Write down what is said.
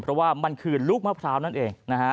เพราะว่ามันคือลูกมะพร้าวนั่นเองนะฮะ